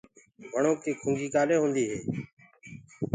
وڻو ڪي کُنگي ڪآلي هوندي هي؟